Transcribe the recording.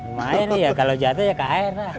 lumayan ya kalau jatuh ya ke air lah